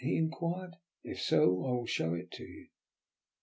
he inquired. "If so, I will show it to you."